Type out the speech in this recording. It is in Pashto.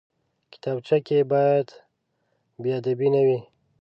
کتابچه کې باید بېادبي نه وي